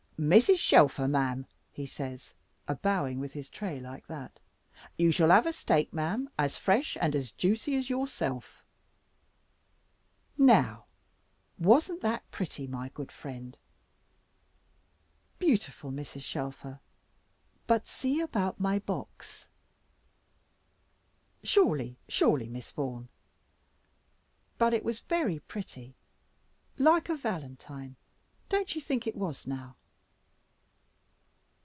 'Mrs. Shelfer, ma'am,' he says, a bowing with his tray like that, 'you shall have a steak, ma'am, as fresh and as juicy as yourself.' Now wasn't that pretty, my good friend?" "Beautiful, Mrs. Shelfer. But see about my box." "Surely, surely, Miss Vaughan. But it was very pretty, like a valentine, don't you think it was now?"